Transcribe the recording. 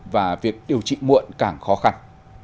và việc điều trị muộn càng khó khăn